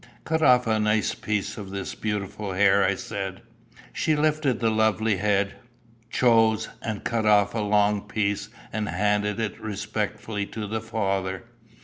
"Cut off a nice piece of this beautiful hair," I said. She lifted the lovely head, chose, and cut off a long piece, and handed it respectfully to the father.